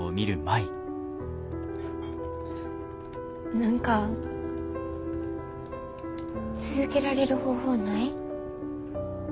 何か続けられる方法ない？